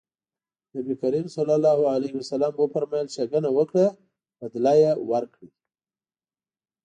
نبي کريم ص وفرمایل ښېګڼه وکړه بدله يې ورکړئ.